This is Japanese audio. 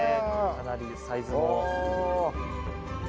かなりサイズも。